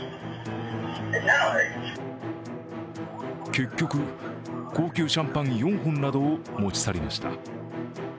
結局、高級シャンパン４本などを持ち去りました。